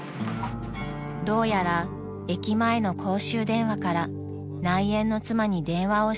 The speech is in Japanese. ［どうやら駅前の公衆電話から内縁の妻に電話をしたらしいお父さん］